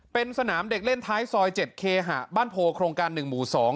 เป็นสนามเด็กเล่นท้ายซอยเจ็ดเคหะบ้านโพโครงการหนึ่งหมู่สอง